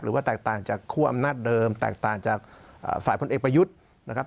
ว่าแตกต่างจากคั่วอำนาจเดิมแตกต่างจากฝ่ายพลเอกประยุทธ์นะครับ